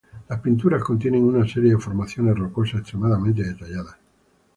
Las pinturas contienen una serie de formaciones rocosas extremadamente detalladas.